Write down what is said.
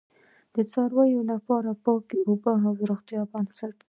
د څارویو لپاره پاک اوبه د روغتیا بنسټ دی.